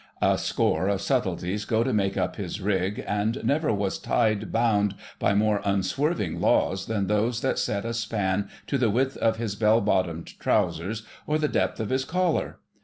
A score of subtleties go to make up his rig, and never was tide bound by more unswerving laws than those that set a span to the width of his bell bottomed trousers or the depth of his collar.